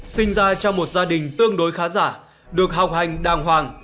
sinh ra trong một gia đình tương đối khá giả được học hành đàng hoàng